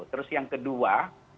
terus yang kedua